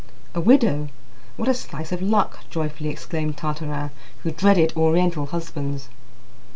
"A widow! What a slice of luck!" joyfully exclaimed Tartarin, who dreaded Oriental husbands.